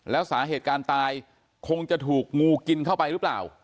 แล้วสาเหตุการณ์ตายคงจะถูกงูกินเข้าไปหรือเปล่า